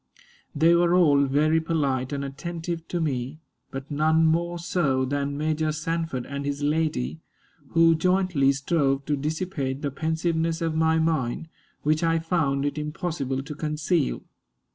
They were all very polite and attentive to me, but none more so than Major Sanford and his lady, who jointly strove to dissipate the pensiveness of my mind, which I found it impossible to conceal.